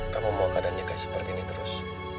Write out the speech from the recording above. kamu mau keadaan nyegai seperti ini terus